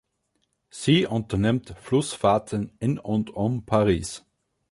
Sie unternimmt Flussfahrten in und um Paris.